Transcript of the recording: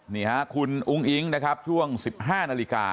นี่ฮะคุณอุ้งอิ๊งนะครับช่วง๑๕นาฬิกา